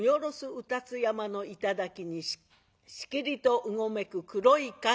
卯辰山の頂にしきりとうごめく黒い影。